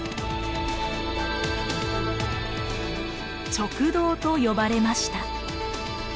「直道」と呼ばれました。